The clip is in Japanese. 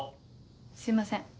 すいません。